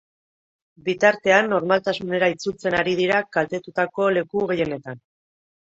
Bitartean, normaltasunera itzultzen ari dira kaltetutako leku gehienetan.